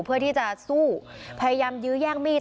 เพื่อที่จะสู้พยายามยื้อแย่งมีด